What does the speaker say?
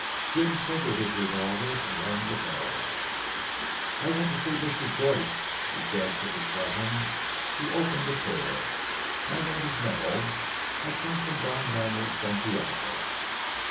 Jim fingered his revolver, and rang the bell. "I want to see Mr. Joyce," he said to the slattern who opened the door, "my name is Nuttall, and I come from Don Manuel Santiago."